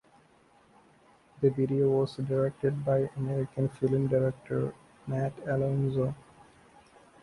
The video was directed by American film director Matt Alonzo.